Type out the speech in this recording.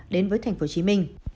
đến với tp hcm